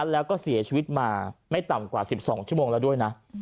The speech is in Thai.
แล้วก็เสียชีวิตมาไม่ต่ำกว่า๑๒ชั่วโมงแล้วด้วยนะ